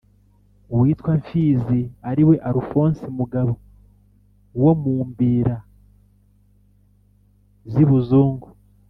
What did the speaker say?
Uwitwa Mfizi ari we AlfonsiMugabo wo mu mbira z'i Buzungu